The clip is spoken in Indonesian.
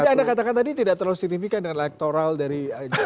tapi anda katakan tadi tidak terlalu signifikan dengan elektoral dari jokowi